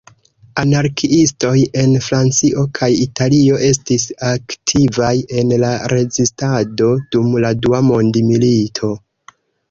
Anarkiistoj en Francio kaj Italio estis aktivaj en la Rezistado dum la Dua Mondmilito.